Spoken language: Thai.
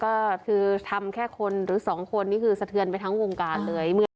ก็คือทำแค่คนหรือสองคนนี่คือสะเทือนไปทั้งวงการเลย